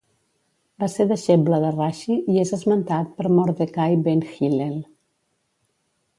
Va ser deixeble de Rashi i és esmentat per Mordecai ben Hillel.